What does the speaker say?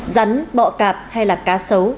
ránh bọ cạp hay là cá sấu